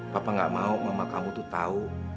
papa gak mau mama kamu tuh tahu